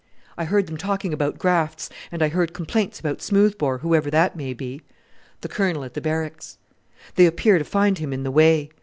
"I heard them talking about grafts, and I heard complaints about Smoothbore who ever that may be." "The Colonel at the Barracks." "They appear to find him in the way."